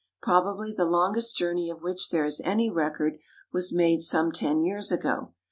Probably the longest journey of which there is any record was made some ten years ago.